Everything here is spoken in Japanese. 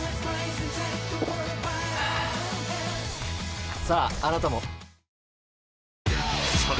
ああなたも。